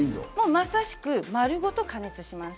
まさしく丸ごと加熱します。